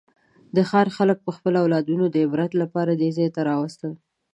د ښار خلکو به خپل اولادونه د عبرت لپاره دې ځای ته راوستل.